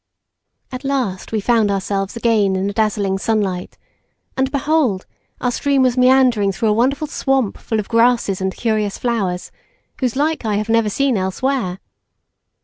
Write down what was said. At last we found ourselves again in the dazzling sunlight, and behold our stream was meandering through a wonderful swamp full of grasses and curious flowers, whose like I have never seen elsewhere.